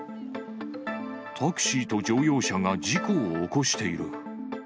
タクシーと乗用車が事故を起こしている。